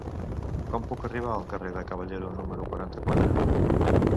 Com puc arribar al carrer de Caballero número quaranta-quatre?